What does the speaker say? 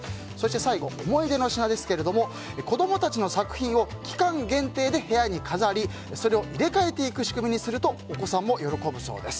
最後、思い出の品ですが子供たちの作品を期間限定で部屋に飾り、それを入れ替えていく仕組みにするとお子さんも喜ぶそうです。